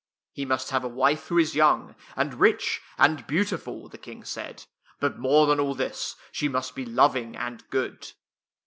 " He must have a wife who is young, and rich, and beautiful," the King said, " but more than all this, she must be loving and good."